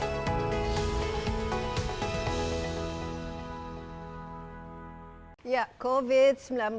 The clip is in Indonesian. sampai jumpa di komenium com